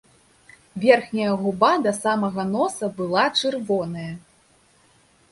Верхняя губа да самага носа была чырвоная.